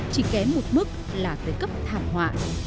chỉ kém một mức là tới cấp thảm họa